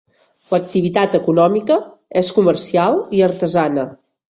L'activitat econòmica és comercial i artesana.